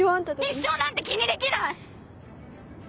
一生なんて気にできない！